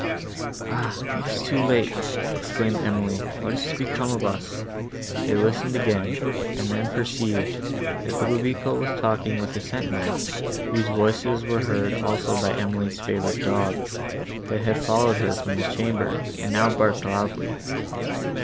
"Ah! it is too late!" exclaimed Emily, "what is to become of us?" They listened again, and then perceived, that Ludovico was talking with a sentinel, whose voices were heard also by Emily's favourite dog, that had followed her from the chamber, and now barked loudly.